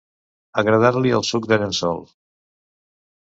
Agradar-li el suc de llençol.